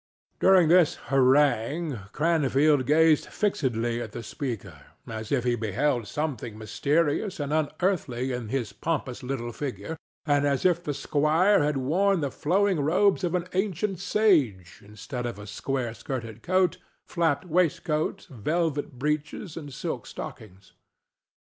During this harangue Cranfield gazed fixedly at the speaker, as if he beheld something mysterious and unearthly in his pompous little figure, and as if the squire had worn the flowing robes of an ancient sage instead of a square skirted coat, flapped waistcoat, velvet breeches and silk stockings.